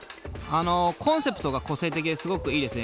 コンセプトが個性的ですごくいいですね。